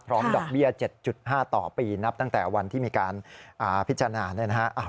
ดอกเบี้ย๗๕ต่อปีนับตั้งแต่วันที่มีการพิจารณาเนี่ยนะฮะ